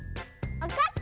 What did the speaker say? わかった。